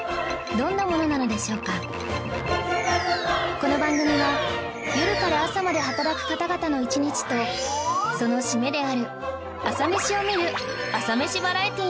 この番組は夜から朝まで働く方々の一日とその締めである朝メシを見る朝メシバラエティなのです